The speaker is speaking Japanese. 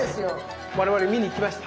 我々見に行きました。